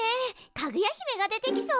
かぐや姫が出てきそう。